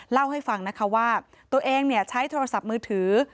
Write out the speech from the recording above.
เล่าให้ฟังนะคะว่าตัวเองใช้โทรศัพท์มือถือ